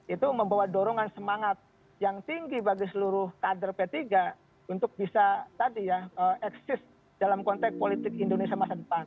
itu membawa dorongan semangat yang tinggi bagi seluruh kader p tiga untuk bisa tadi ya eksis dalam konteks politik indonesia masa depan